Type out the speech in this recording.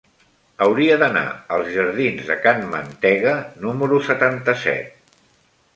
Hauria d'anar als jardins de Can Mantega número setanta-set.